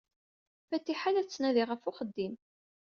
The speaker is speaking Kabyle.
Fatiḥa la tettnadi ɣef uxeddim.